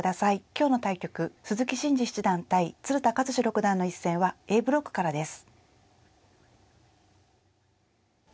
今日の対局鈴木伸二七段対鶴田和志六段の一戦はＡブロックからです。